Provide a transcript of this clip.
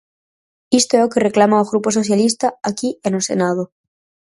Isto é o que reclama o Grupo Socialista aquí e no Senado.